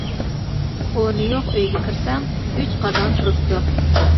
ئورنى يوق ئۆيگە كىرسەڭ، ئۈچ قازان تۇرۇپتۇ.